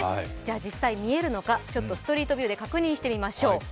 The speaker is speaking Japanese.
実際見えるのかストリートビューで確認してみましょう。